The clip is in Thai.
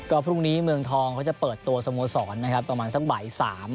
ก็พรุ่งนี้เมืองทองเขาจะเปิดตัวสโมสรนะครับประมาณสักบ่าย๓